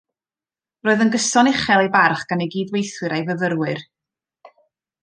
Roedd yn gyson uchel ei barch gan ei gydweithwyr a'i fyfyrwyr